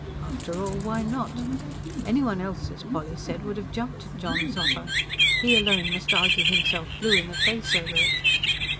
After all, why not? Anyone else, as Polly said, would have jumped at John's offer. He alone must argue himself blue in the face over it.